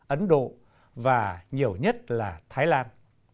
ấn độ và nhiều nhất là thái lan